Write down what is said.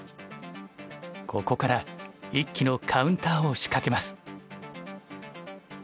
ここから一気のカウンターを仕掛けます。